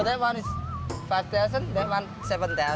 dan yang itu kita panggil bubur kacang hijau